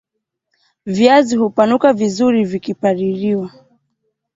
viazi hupanuka vizuri vikipaliliwa